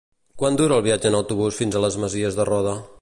Quant dura el viatge en autobús fins a les Masies de Roda?